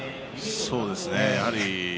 そうですね。